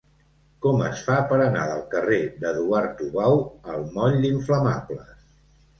Com es fa per anar del carrer d'Eduard Tubau al moll d'Inflamables?